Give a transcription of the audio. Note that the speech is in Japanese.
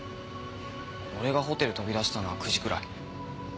俺がホテル飛び出したのは９時くらい。